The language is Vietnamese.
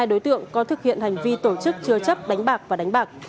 ba mươi hai đối tượng có thực hiện hành vi tổ chức chứa chấp đánh bạc và đánh bạc